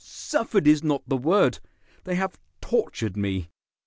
"Suffered is not the word. They have tortured me.